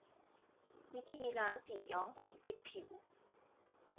วิธีล้างสีย้อมผมติดผิว